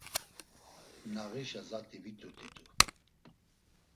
Nağişa zat̆i vit̆urt̆itu.